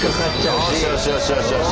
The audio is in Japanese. よしよしよしよし。